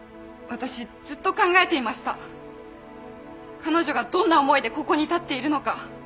彼女がどんな思いでここに立っているのか。